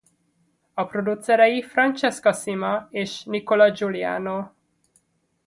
A producerei Francesca Cima és Nicola Giuliano.